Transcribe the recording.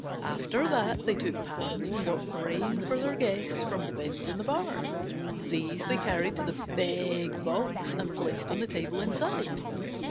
After that they took pans and got grain for their guests from the bins in the barn. These they carried to the big box and placed on the table inside.